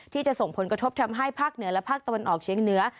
ที่จะส่งผลกระทบทำให้ภาคเหนือและภาคตะวันออกเชียงเหนือ